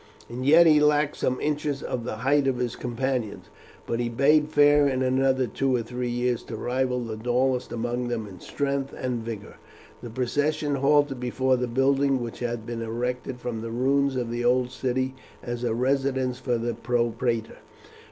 As yet he lacked some inches of the height of his companions, but he bade fair in another two or three years to rival the tallest among them in strength and vigour. The procession halted before the building which had been erected from the ruins of the old city as a residence for the propraetor.